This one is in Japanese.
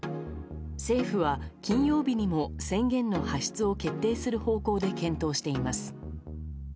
政府は、金曜日にも宣言の発出を決定する方向で検討しています。